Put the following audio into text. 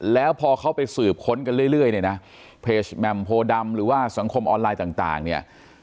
แล้วพอเขาไปสืบค้นกันเรื่อยเนี่ยนะเพจแหม่มโพดำหรือว่าสังคมออนไลน์ต่างเนี่ย